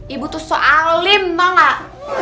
itu soal lim tau gak